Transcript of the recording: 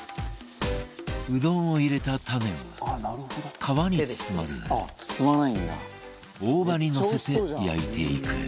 うどんを入れたタネは皮に包まず大葉にのせて焼いていく